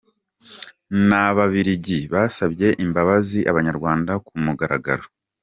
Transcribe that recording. N’Ababiligi basabye imbabazi Abanyarwanda ku mugaragaro